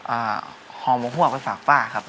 อ่าฮอมบกหวกไปฝากฟ้าครับ